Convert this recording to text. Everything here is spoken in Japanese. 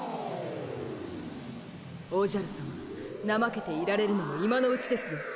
おじゃるさまなまけていられるのも今のうちですぞ。